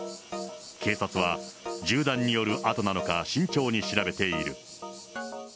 警察は、銃弾による痕なのか、慎重に調べている。